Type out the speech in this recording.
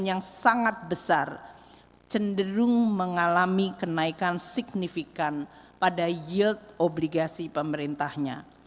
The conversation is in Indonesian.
yang sangat besar cenderung mengalami kenaikan signifikan pada yield obligasi pemerintahnya